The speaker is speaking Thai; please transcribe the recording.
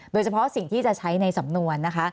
โดยเฉพาะสิ่งที่จะใช้ในสำนวนนะคะ